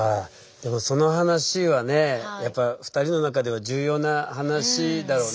でもその話はねやっぱ２人の中では重要な話だろうね。